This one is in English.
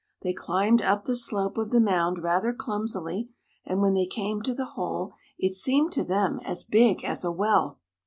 They climbed up the slope of the mound rather clumsily, and when they came to the hole it seemed to them as big as a well.